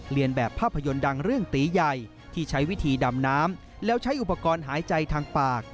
เรียนแบบภาพยนตร์ดังเรื่องตีใหญ่ที่ใช้วิธีดำน้ำแล้วใช้อุปกรณ์หายใจทางปาก